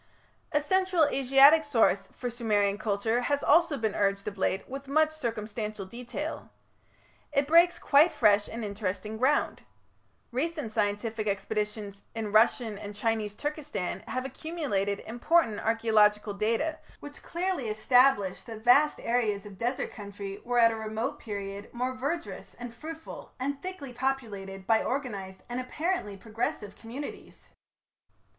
A Central Asiatic source for Sumerian culture has also been urged of late with much circumstantial detail. It breaks quite fresh and interesting ground. Recent scientific expeditions in Russian and Chinese Turkestan have accumulated important archaeological data which clearly establish that vast areas of desert country were at a remote period most verdurous and fruitful, and thickly populated by organized and apparently progressive communities.